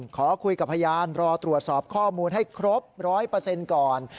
ขอคุยกับพยานรอตรวจสอบข้อมูลให้ครบ๑๐๐ก่อน